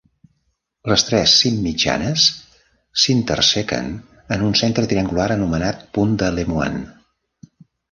Les tres simmitjanes s'intersequen en un centre triangular anomenat punt de Lemoine.